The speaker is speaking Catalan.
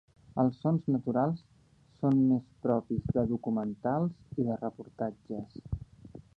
Els sons naturals són més propis de documentals i de reportatges.